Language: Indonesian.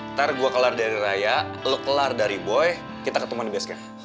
ntar gue kelar dari raya lo kelar dari boy kita ketemuan di base kaya